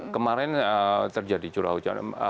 kemarin terjadi curah hujan